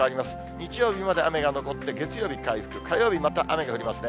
日曜日まで雨が残って月曜日回復、火曜日また雨が降りますね。